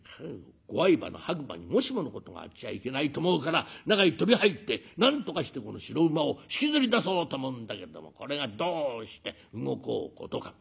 ご愛馬の白馬にもしものことがあっちゃいけないと思うから中へ飛び入ってなんとかしてこの白馬を引きずり出そうと思うんだけどもこれがどうして動こうことか。